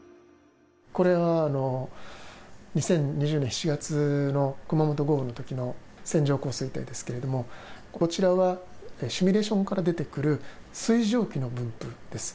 これは２０２０年７月の熊本豪雨のときの線状降水帯ですけれども、こちらはシミュレーションから出てくる、水蒸気の分布です。